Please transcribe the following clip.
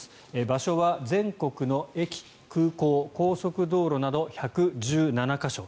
場所は全国の駅、空港高速道路など１１７か所。